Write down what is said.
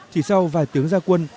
chỉ sau vài tiếng gia quân